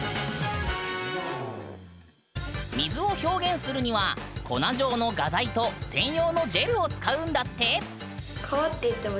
水を表現するには粉状の画材と専用のジェルを使うんだって！